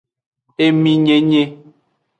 Eminyenye.